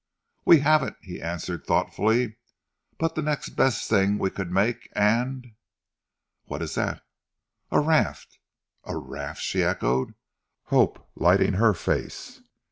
"We haven't," he answered thoughtfully, "but the next best thing, we could make, and " "What is that?" "A raft!" "A raft?" she echoed, hope lighting her face.